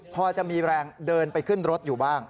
พอจะมีแรงเดินไปขึ้นรถอยู่บ้าง